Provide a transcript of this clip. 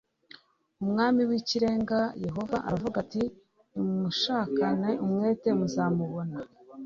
umwami w' ikirenga yehova aravuga ati nimunshakana umwete muzambona